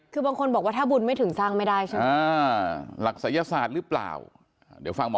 คือบางคนบอกว่าถ้าบุญไม่ถึงสร้างไม่ได้ใช่ไหม